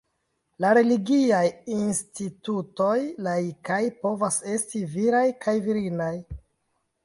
La religiaj institutoj laikaj povas esti viraj kaj virinaj.